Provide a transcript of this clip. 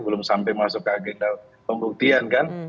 belum sampai masuk ke agenda pembuktian kan